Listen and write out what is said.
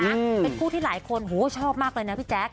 เป็นคู่ที่หลายคนโหชอบมากเลยนะพี่แจ๊ค